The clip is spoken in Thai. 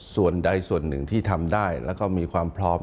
ส่วนใดส่วนหนึ่งที่ทำได้แล้วก็มีความพร้อม